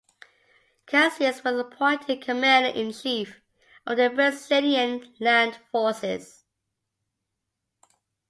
Caxias was appointed commander-in-chief of the Brazilian land forces.